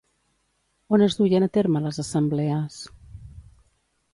On es duien a terme les assemblees?